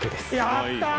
やったー！